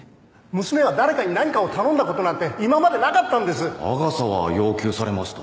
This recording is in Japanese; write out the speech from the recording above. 娘は誰かに何かを頼んだことなんて今までなかったんですアガサは要求されました